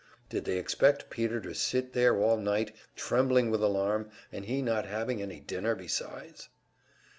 Did they expect Peter to sit there all night, trembling with alarm and he not having any dinner besides?